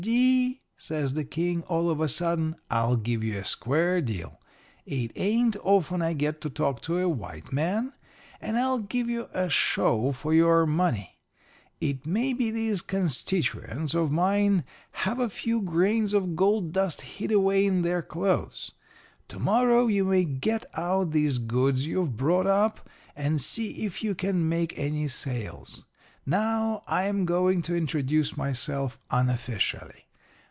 "'W. D.,' says the King, all of a sudden, 'I'll give you a square deal. It ain't often I get to talk to a white man, and I'll give you a show for your money. It may be these constituents of mine have a few grains of gold dust hid away in their clothes. To morrow you may get out these goods you've brought up and see if you can make any sales. Now, I'm going to introduce myself unofficially.